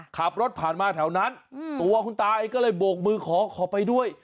ขับรถผ่านมาแถวนั้นตัวคุณตาเองก็เลยโบกมือขอขอไปด้วย